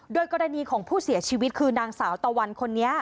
โดยกรณีของผู้เสียชีวิตคือนางสาวตะวันคนนี้